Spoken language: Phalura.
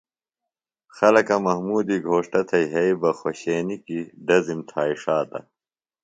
خلکہ محمودی گھوݜٹہ تھےۡ یھئی بہ خوشینیۡ کیۡ ڈزم تھائی ݜاتہ۔